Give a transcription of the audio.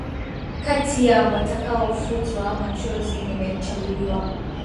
Kati ya watakaofutwa machozi nimechaguliwa